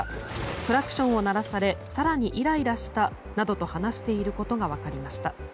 クラクションを鳴らされ更にイライラしたと話していることが分かりました。